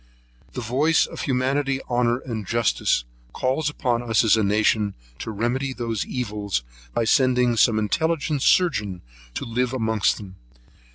[117 1] The voice of humanity honour, and justice, calls upon us as a nation to remedy those evils, by sending some intelligent surgeon to live amongst them.